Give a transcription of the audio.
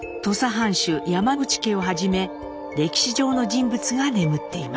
藩主山内家をはじめ歴史上の人物が眠っています。